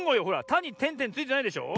「た」にてんてんついてないでしょ。